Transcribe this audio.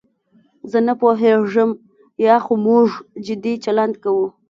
زه نه پوهېږم یا خو موږ جدي چلند کوو.